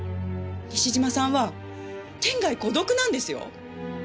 西島さんは天涯孤独なんですよ。